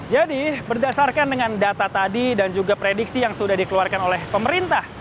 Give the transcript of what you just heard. jadi berdasarkan dengan data tadi dan juga prediksi yang sudah dikeluarkan oleh pemerintah